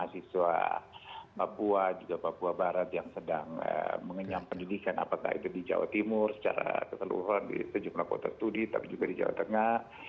mahasiswa papua juga papua barat yang sedang mengenyam pendidikan apakah itu di jawa timur secara keseluruhan di sejumlah kota studi tapi juga di jawa tengah